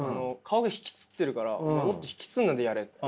「顔が引きつってるからもっと引きつんないでやれ」って。